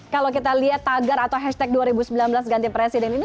kalau kita lihat tagar atau hashtag dua ribu sembilan belas ganti presiden ini